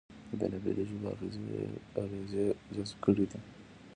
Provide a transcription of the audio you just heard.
د بېلابېلو ژبو اغېزې جذب کړې دي